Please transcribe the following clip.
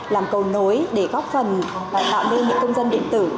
làm cầu nối để góp phần tạo nên những công dân điện tử